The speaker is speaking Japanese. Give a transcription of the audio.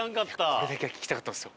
これだけは聞きたかったんですよ。